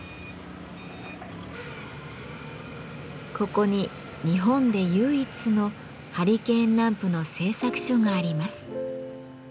ここに日本で唯一のハリケーンランプの製作所があります。